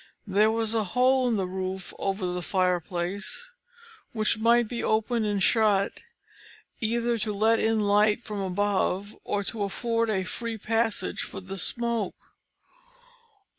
There was a hole in the roof over the fireplace, which might be opened and shut either to let in the light from above, or to afford a free passage for the smoke.